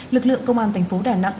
lực lượng công an thành phố đà nẵng